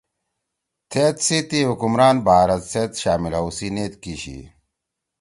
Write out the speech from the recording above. تھید سی تی حکمران بھارت سیت شامل ہؤ سی نیت کی شی۔